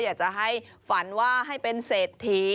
อยากจะให้ฝันว่าให้เป็นเศรษฐี